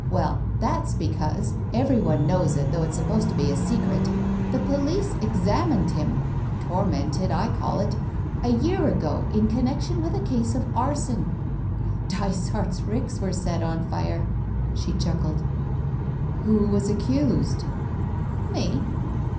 Well, that's because — every one knows it, though it's supposed to be a secret — the police examined him — tormented, I call it — a year ago, in connection with a case of arson. Dysart's ricks were set on fire " she chuckled. " Who was accused ?" "Me."